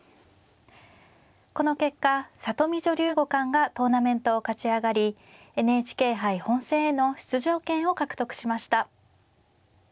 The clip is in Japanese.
この結果里見女流五冠がトーナメントを勝ち上がりＮＨＫ杯本戦への出場権を獲得しました。